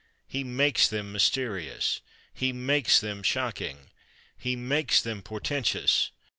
He makes them mysterious. He makes them shocking. He makes them portentous.